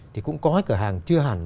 thì cũng có cái cửa hàng chưa hẳn